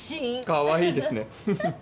かわいいですねふふっ。